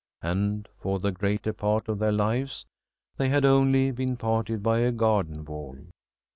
And for the greater part of their lives they had only been parted by a garden wall.